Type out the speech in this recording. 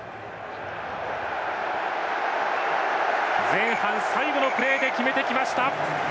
前半最後のプレーで決めてきました！